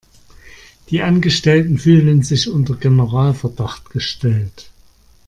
Die Angestellten fühlen sich unter Generalverdacht gestellt.